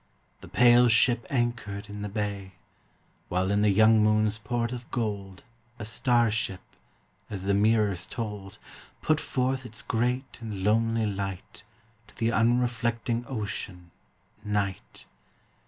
The pale ship anchored in the bay, While in the young moon's port of gold A star ship — as the mirrors told — Put forth its great and lonely light To the unreflecting Ocean, Night.